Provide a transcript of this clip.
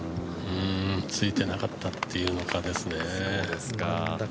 ついてなかったっていうのかですね。